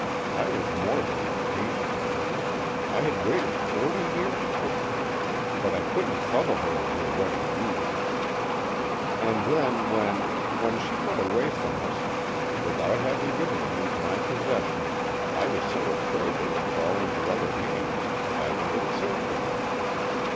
I was more than impatient for them,—I had waited forty years for them,—but I couldn't trouble her on her wedding eve. And then—when—when she went away from us, without having given them into my possession, I was so afraid they would fall into other hands, that I went in search of them.